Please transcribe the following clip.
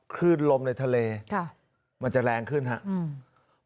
ขึ้นลมในทะเลค่ะมันจะแรงขึ้นครับอืม